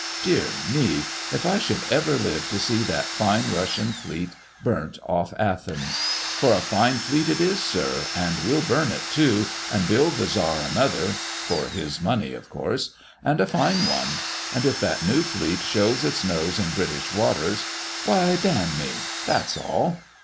Dear me! if I should ever live to see that fine Russian fleet burnt off Athens! For a fine fleet it is, sir, and we'll burn it, too, and build the Czar another (for his money, of course), and a fine one; and if that new fleet shews its nose in British waters, why, d n me that's all!